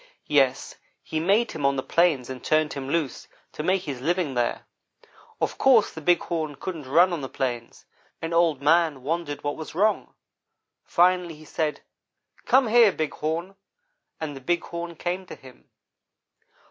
Yes, he made him on the plains and turned him loose, to make his living there. Of course the Big Horn couldn't run on the plains, and Old man wondered what was wrong. Finally, he said: 'Come here, Big Horn!' and the Big Horn came to him.